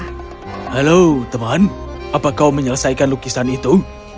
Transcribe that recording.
halo teman apa kau menyelesaikan lukisan itu